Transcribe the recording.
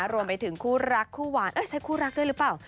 รวมไปถึงคู่รักคู่หวานใช้คู่รักด้วยหรือเปล่า